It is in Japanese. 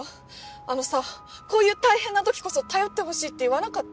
あのさこういう大変な時こそ頼ってほしいって言わなかった？